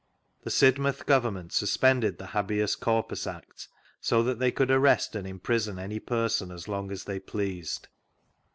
The Sidmouth Government suspended the Habeas Corpus Act so that they could arrest and imprison any person as long as they pleased.